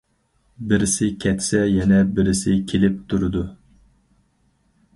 بىرسى كەتسە يەنە بىرسى كېلىپ تۇرىدۇ.